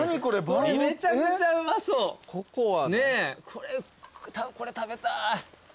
これこれ食べたい。